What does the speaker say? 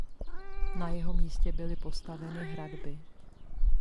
Na jeho místě byly postaveny hradby.